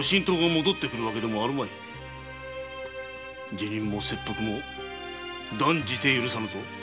辞任も切腹も断じて許さぬぞ。